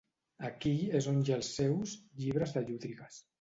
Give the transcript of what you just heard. Aquí és on hi ha els seus "llibres de llúdrigues".